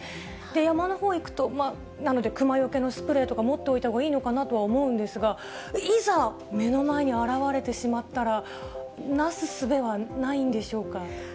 山のほう行くと、まあ、なので、クマよけのスプレーとか、持っておいてもいいのかなとは思うんですが、いざ、目の前に現れてしまったら、なすすべはないんでしょうか？